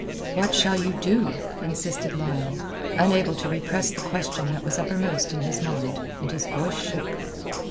"What shall you do?" insisted Lionel, unable to repress the question that was uppermost in his mind; and his voice shook.